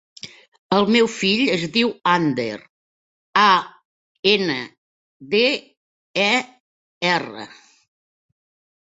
El meu fill es diu Ander: a, ena, de, e, erra.